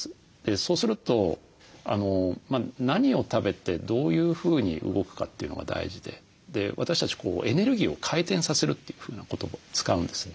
そうすると何を食べてどういうふうに動くかというのが大事で私たちエネルギーを回転させるというふうな言葉を使うんですね。